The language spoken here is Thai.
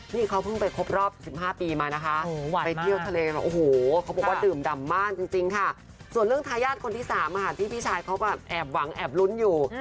นี่เขาเพิ่งไปครบรอบ๑๕ปีมานะคะไปเที่ยวทะเลกันโอ้โหเขาบอกว่าดื่มดำมากจริงค่ะส่วนเรื่องทายาทคนที่๓ที่พี่ชายเขาแบบแอบหวังแอบลุ้นอยู่